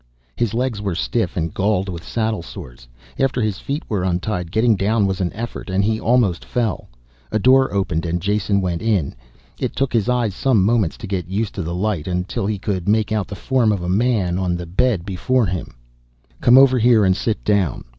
His legs were stiff and galled with saddle sores. After his feet were untied getting down was an effort, and he almost fell. A door opened and Jason went in. It took his eyes some moments to get used to the light, until he could make out the form of a man on the bed before him. "Come over here and sit down."